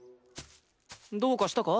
どうかしたか？